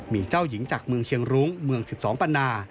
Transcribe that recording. มีเจ้าหญิงจากเมืองเชียงรุ้งเมือง๑๒ปันนา